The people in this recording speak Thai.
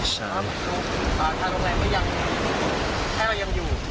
ข้าวต้มแรงไม่รู้ยัง